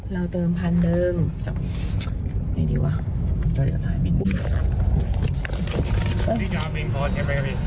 เราเติมพันเดิมไม่ดีวะ